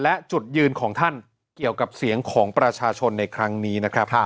และจุดยืนของท่านเกี่ยวกับเสียงของประชาชนในครั้งนี้นะครับ